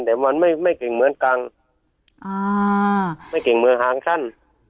แต่มันไม่ไม่เก่งเหมือนกังอ่าไม่เก่งเหมือนหางสั้น